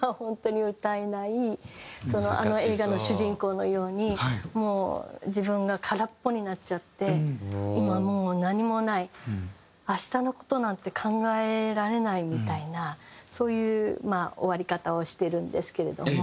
あの映画の主人公のようにもう自分が空っぽになっちゃって今もう何もない明日の事なんて考えられないみたいなそういう終わり方をしてるんですけれども。